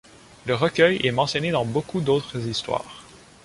Le recueil est mentionné dans beaucoup d'autres histoires.